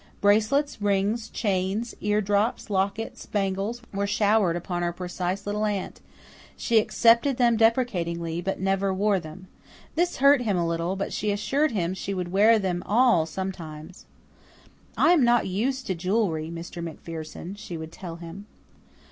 Bracelets, rings, chains, ear drops, lockets, bangles, were showered upon our precise little aunt; she accepted them deprecatingly, but never wore them. This hurt him a little, but she assured him she would wear them all sometimes. "I am not used to jewelry, Mr. MacPherson," she would tell him.